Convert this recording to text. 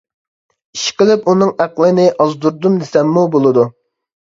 ئىشقىلىپ، ئۇنىڭ ئەقلىنى ئازدۇردۇم دېسەممۇ بولىدۇ.